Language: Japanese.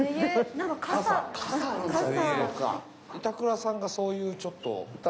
板倉さんがそういうちょっと。